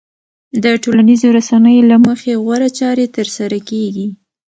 د ټولنيزو رسنيو له مخې غوره چارې ترسره کېږي.